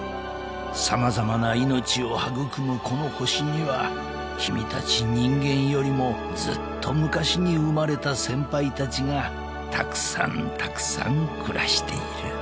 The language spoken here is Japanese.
［様々な命を育むこの星には君たち人間よりもずっと昔に生まれた先輩たちがたくさんたくさん暮らしている］